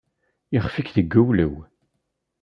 Ixef-ik deg uwlew.